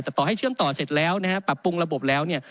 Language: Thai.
แต่ต่อให้เชื่อมต่อเสร็จแล้วนะฮะปรับปรุงระบบแล้วเนี่ย